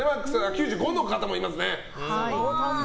９５の方もいますね。